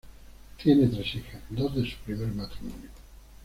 Tiene tres hijas, dos de su primer matrimonio.